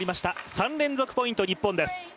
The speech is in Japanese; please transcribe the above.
３連続ポイント、日本です。